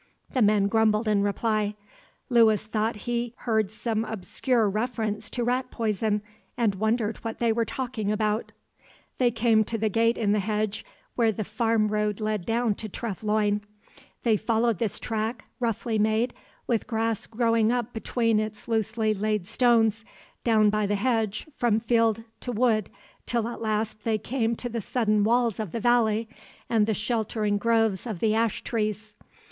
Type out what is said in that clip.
The men grumbled in reply; Lewis thought he heard some obscure reference to rat poison, and wondered what they were talking about. They came to the gate in the hedge, where the farm road led down to Treff Loyne. They followed this track, roughly made, with grass growing up between its loosely laid stones, down by the hedge from field to wood, till at last they came to the sudden walls of the valley, and the sheltering groves of the ash trees.